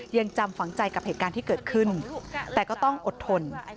ยังจำฝังใจกับเหตุการณ์ที่เกิดขึ้นแต่ก็ต้องอดทน